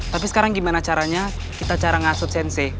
tapi sekarang gimana caranya kita cara nghasut sensei